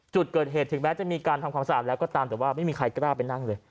จุดเกิดเหตุถึงแม้จะมีการทำความสะอาดแล้วก็ตามแต่ว่าไม่มีใครกล้าไปนั่งเลย